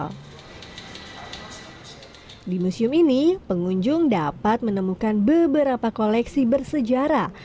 hai di museum ini pengunjung dapat menemukan beberapa koleksi bersejarah